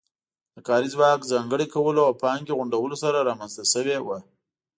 د کاري ځواک ځانګړي کولو او پانګې غونډولو سره رامنځته شوې وه